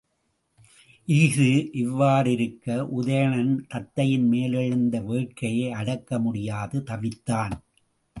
இஃது இவ்வாறிருக்க, உதயணன் தத்தையின் மேலெழுந்த வேட்கையை அடக்க முடியாது தவித்தான்.